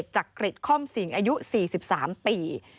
จักริจค่อมสิงอายุ๔๓ปี